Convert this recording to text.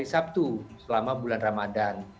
sabtu selama bulan ramadan